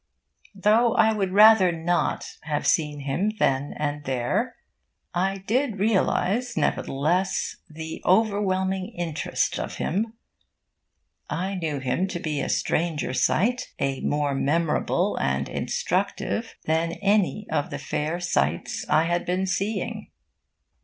Though I would rather not have seen him then and there, I did realise, nevertheless, the overwhelming interest of him. I knew him to be a stranger sight, a more memorable and instructive, than any of the fair sights I had been seeing.